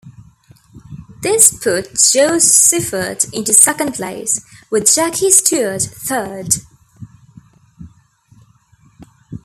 This put Jo Siffert into second place, with Jackie Stewart third.